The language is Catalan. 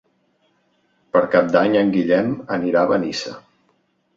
Per Cap d'Any en Guillem anirà a Benissa.